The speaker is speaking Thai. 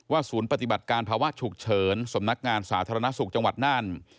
ศูนย์ปฏิบัติการภาวะฉุกเฉินสำนักงานสาธารณสุขจังหวัดน่าน